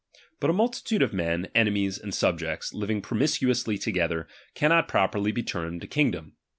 But a multitude of men, enemies and sub jects, living promiscuously together, cannot pro perly be termed a kingdom.